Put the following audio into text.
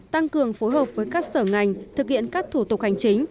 tăng cường phối hợp với các sở ngành thực hiện các thủ tục hành chính